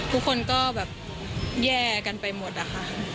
ทุกคนก็แบบแย่กันไปหมดอะค่ะ